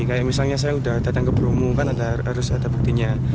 kayak misalnya saya sudah datang ke bromo kan harus ada buktinya